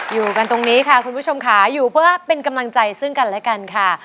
อยู่กันตรงนี้ค่ะคุณผู้ชมค่ะอยู่เพื่อเป็นกำลังใจซึ่งกันและกันค่ะ